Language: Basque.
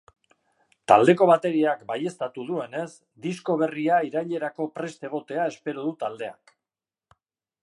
Taldeko bateriak baieztatu duenez, disko berria irailerako prest egotea espero du taldeak.